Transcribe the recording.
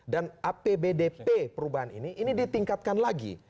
dan apbdp perubahan ini ini ditingkatkan lagi